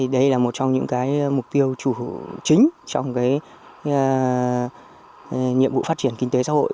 đây là một trong những mục tiêu chủ chính trong nhiệm vụ phát triển kinh tế xã hội